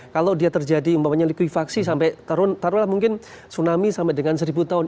kalau dia terjadi umpamanya likuifaksi sampai taruhlah mungkin tsunami sampai dengan seribu tahun